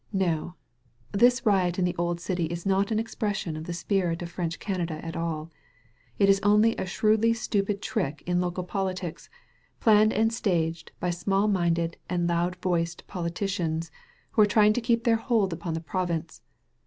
No ! This riot in the old city is not an expression of the spirit of French Canada at all. It is only a shrewdly stupid trick in local politics, planned and staged by small minded and loud voiced poli ticians who are trying to keep their hold upon the province.